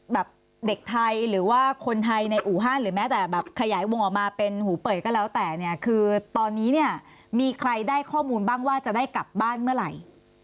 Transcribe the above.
แบบเด็กไทยหรือว่าคนไทยในอู่ฮั่นหรือแม้แต่แบบขยายวงออกมาเป็นหูเป่ยก็แล้วแต่เนี่ยคือตอนนี้เนี่ยมีใครได้ข้อมูลบ้างว่าจะได้กลับบ้านเมื่อไหร่